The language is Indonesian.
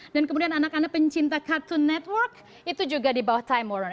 dan kemudian anak anak pencinta cartoon network itu juga di bawah time warner